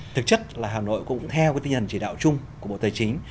thực chất là hà nội cũng theo cái tinh thần chỉ đạo chung của bộ tài chính